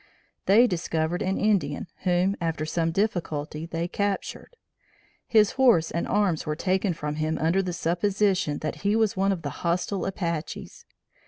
They discovered an Indian whom, after some difficulty, they captured. His horse and arms were taken from him under the supposition that he was one of the hostile Apaches.